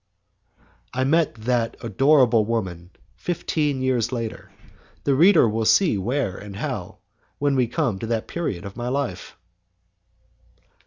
...................... I met that adorable woman fifteen years later; the reader will see where and how, when we come to that period of my life.